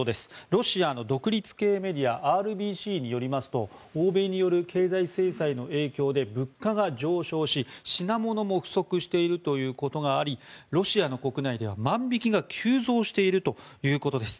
ロシアの独立系メディアＲＢＣによりますと欧米による経済制裁の影響で物価が上昇し品物も不足しているということがありロシアの国内では万引きが急増しているということです。